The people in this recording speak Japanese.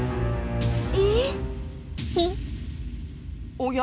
おや？